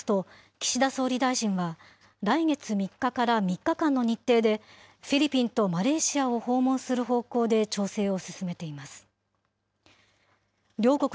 岸田総理大臣は、来月上旬にフィリピンとマレーシアを訪問する方向で調整を進めています。